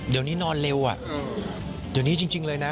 เดี๋ยวนี้นอนเร็วอ่ะเดี๋ยวนี้จริงเลยนะ